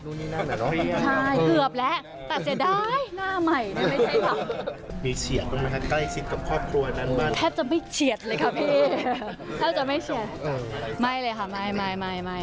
รุ่นนี้นั่นเหรอเนอะเกือบแล้วแต่เสียดายหน้าใหม่ไม่ใช่แบบ